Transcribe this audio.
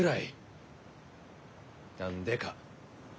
何でか？